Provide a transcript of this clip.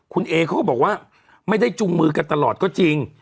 คุณเอเขาก็บอกว่าไม่ได้จุงมือกันตลอดก็จริง